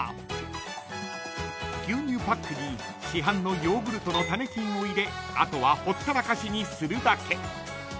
［牛乳パックに市販のヨーグルトの種菌を入れあとはほったらかしにするだけ］